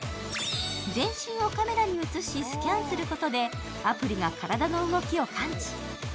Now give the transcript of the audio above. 全身をカメラに映し、スキャンすることでアプリが体の動きを感知。